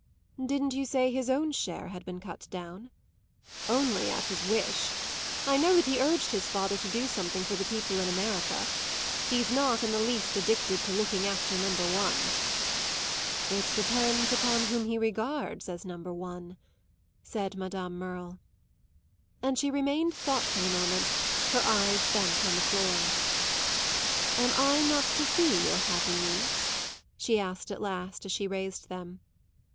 "Didn't you say his own share had been cut down?" "Only at his wish. I know that he urged his father to do something for the people in America. He's not in the least addicted to looking after number one." "It depends upon whom he regards as number one!" said Madame Merle. And she remained thoughtful a moment, her eyes bent on the floor. "Am I not to see your happy niece?" she asked at last as she raised them.